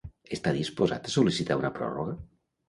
Està disposat a sol·licitar una pròrroga?